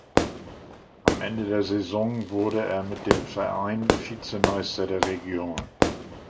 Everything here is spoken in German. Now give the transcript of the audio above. Am Ende der Saison wurde er mit dem Verein Vizemeister der Region.